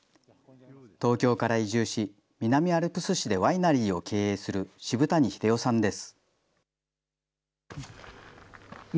東京から移住し、南アルプス市でワイナリーを経営する渋谷英雄さんです。